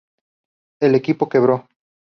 El equipo quebró.